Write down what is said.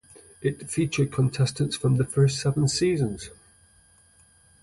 It featured contestants from the first seven seasons.